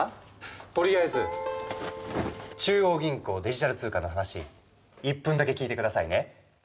とりあえず。中央銀行デジタル通貨の話１分だけ聞いてくださいね。